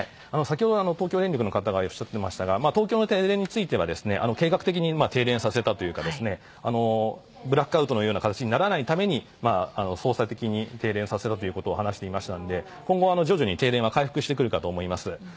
先ほど、東京電力の方がおっしゃっていましたが東京の停電については計画的に停電させたというかブラックアウトのような形にならないために操作的に停電させたと話していましたので今後は徐々に停電は回復してくるかと思います。